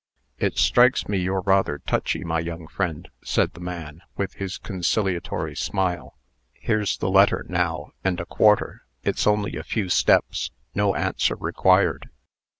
"It strikes me you're rather touchy, my young friend," said the man, with his conciliatory smile. "Here's the letter, now, and a quarter. It's only a few steps. No answer required."